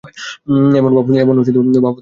এমন বাপও তো দেখি নি।